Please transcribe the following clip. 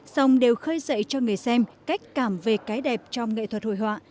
song đều khơi dậy cho người xem cách cảm về cái đẹp trong nghệ thuật hội họa